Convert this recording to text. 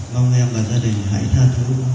mong em và gia đình hãy tha thứ